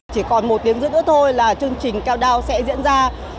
chỉ còn một tiếng rưỡi nữa thôi là chương trình cao đao sẽ diễn ra